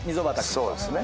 そうですね。